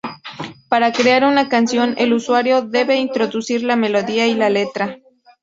Para crear una canción, el usuario debe introducir la melodía y la letra.